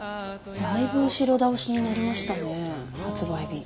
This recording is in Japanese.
だいぶ後ろ倒しになりましたね発売日。